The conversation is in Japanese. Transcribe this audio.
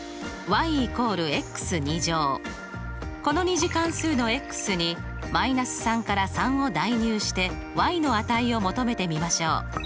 この２次関数のに−３から３を代入しての値を求めてみましょう。